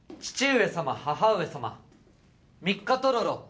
上様母上様三日とろろ